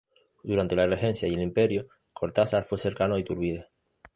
Durante la regencia y el imperio Cortazar fue cercano a Iturbide.